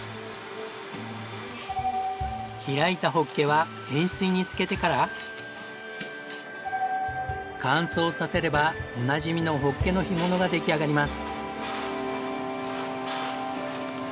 開いたホッケは塩水に漬けてから乾燥させればおなじみのホッケの干物が出来上がります。